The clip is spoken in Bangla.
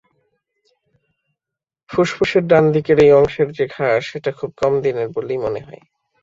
ফুসফুসের ডানদিকের এই অংশের যে ঘা সেটা খুব কম দিনের বলেই মনে হয়।